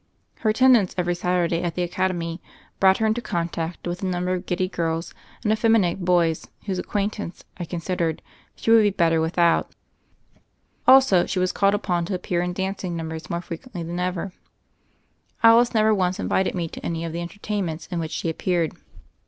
Her attendance every Saturday at the academy brought her into contact with a number of giddy girls and effeminate boys whose acquaintance, I considered, she would be better without. Also, 1 84 THE FAIRY OF THE SNOWS she was called upon to appear in dancing num bers more frequently than ever. Alice never once invited me to any of the en tertainments in which she appeared.